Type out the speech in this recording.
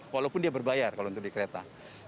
walaupun dia berbayar kalau untuk di kereta